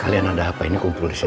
kalian ada apa ini kumpul disini